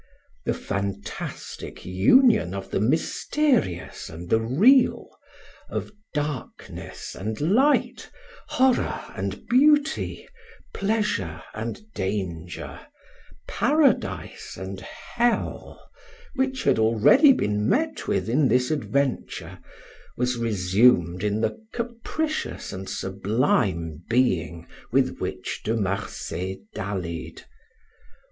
The fantastic union of the mysterious and the real, of darkness and light, horror and beauty, pleasure and danger, paradise and hell, which had already been met with in this adventure, was resumed in the capricious and sublime being with which De Marsay dallied.